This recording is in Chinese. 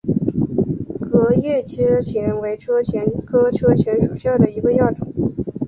革叶车前为车前科车前属下的一个亚种。